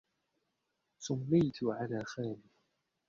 سُميّتُ على خالي.